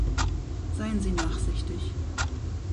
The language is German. Seien Sie nachsichtig.